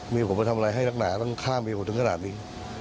มีผมไปทำอะไรให้นักหนาต้องข้ามไปผมถึงขนาดนี้